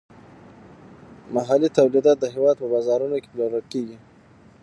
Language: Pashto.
محلي تولیدات د هیواد په بازارونو کې پلورل کیږي.